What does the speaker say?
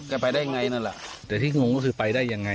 ไปได้ไงนั่นแหละแต่ที่งงก็คือไปได้ยังไง